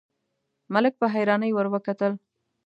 ملک په حيرانۍ ور وکتل: